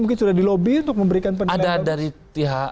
mungkin sudah di lobby untuk memberikan penilaian